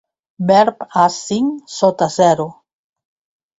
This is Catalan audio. Verb a cinc sota zero.